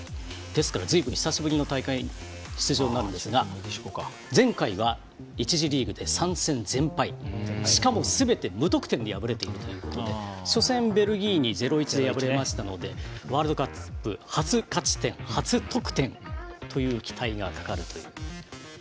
ですからずいぶん久しぶりの大会出場になるんですが前回は１次リーグで３戦全敗しかも、すべて無得点で敗れているということで初戦、ベルギーに０−１で敗れましたのでワールドカップ、初得点の期待がかかるという。